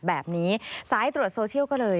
แบบนี้สายตรวจโซเชียลก็เลย